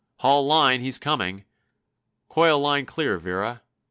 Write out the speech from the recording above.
"Haul line, he's coming! Coil line clear, Vera!"